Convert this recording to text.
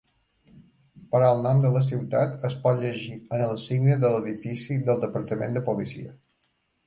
Però el nom de la ciutat es pot llegir en el signe de l'edifici del Departament de policia.